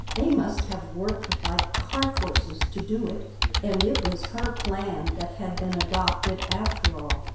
They must have worked like cart horses to do it And it was her plan that had been adopted after all.